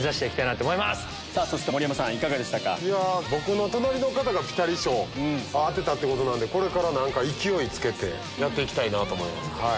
僕の隣の方がピタリ賞当てたってことなんでこれから勢い付けてやって行きたいなと思います。